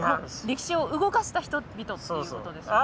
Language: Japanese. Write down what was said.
歴史を動かした人々っていうことですよね。